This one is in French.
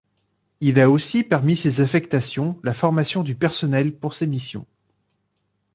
Il a aussi parmi ses affectations la formation du personnel pour ces missions.